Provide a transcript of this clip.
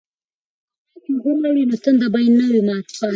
که خویندې اوبه راوړي نو تنده به نه وي پاتې.